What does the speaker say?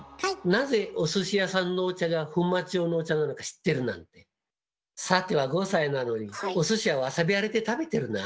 なぜお寿司屋さんのお茶が粉末状のお茶なのか知ってるなんてさては５歳なのにお寿司はわさびありで食べてるな？